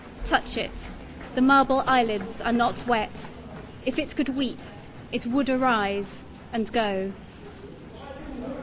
Touch it; the marble eyelids are not wet: If it could weep, it could arise and go.